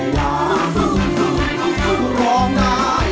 แหล่ะ